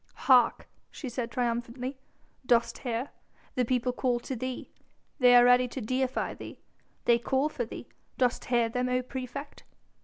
"Hark!" she said triumphantly, "dost hear? The people call to thee! They are ready to deify thee. They call for thee, dost hear them, O praefect?"